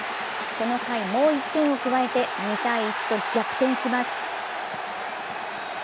この回、もう１点を加えて、２−１と逆転します。